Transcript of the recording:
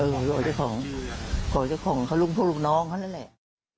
เออเขาบอกเจ้าของเขาบอกเจ้าของพวกลุงน้องเขาแหละ